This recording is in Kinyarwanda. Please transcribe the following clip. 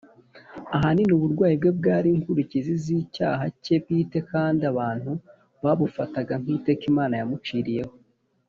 . Ahanini, uburwayi bwe bwari inkurikizi z’icyaha cye bwite kandi abantu babufataga nk’iteka Imana yamuciriyeho